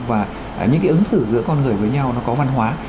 và những cái ứng xử giữa con người với nhau nó có văn hóa